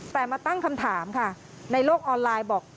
แต่มาตั้งคำถามค่ะในโลกออนไลน์บอก